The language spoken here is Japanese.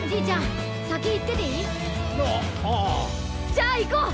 じゃあいこう！